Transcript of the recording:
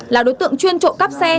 là đối tượng chuyên trộm cắp xe